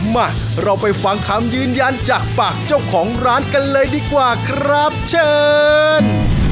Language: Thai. มาเราไปฟังคำยืนยันจากปากเจ้าของร้านกันเลยดีกว่าครับเชิญ